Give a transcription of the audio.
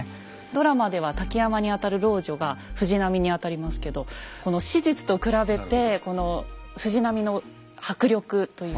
ドラマでは瀧山にあたる老女が藤波にあたりますけどこの史実と比べてこの藤波の迫力という。